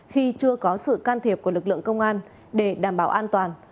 khi chưa có sự can thiệp của lực lượng công an để đảm bảo an toàn